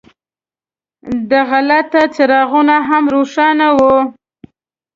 دغلته څراغونه هم روښان وو.